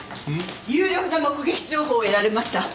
有力な目撃情報を得られました。